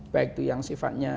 baik itu yang sifatnya